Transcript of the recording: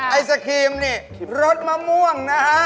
ไอศครีมนี่รสมะม่วงนะฮะ